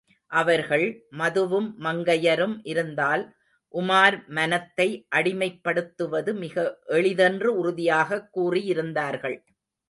அவர்கள், மதுவும் மங்கையரும் இருந்தால், உமார் மனத்தை அடிமைப் படுத்துவது மிக எளிதென்று உறுதியாகக் கூறியிருந்தார்கள்.